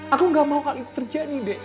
aku gak mau hal itu terjadi deh